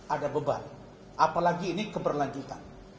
ada beban apalagi ini keberlanjutan